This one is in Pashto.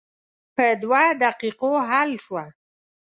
په دوه دقیقو حل شوه.